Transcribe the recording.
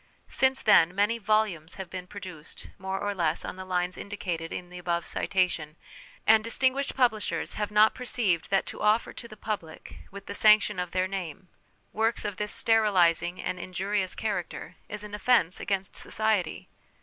Since then many volumes have been produced, more a less on the lines indicated in the above citation, and distinguished publishers have not perceived that to offer to the public, with the sanction of their name, works of this sterilising and injurious character, is an offence against society.